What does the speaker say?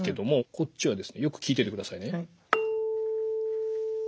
こっちはですねよく聴いててくださいね。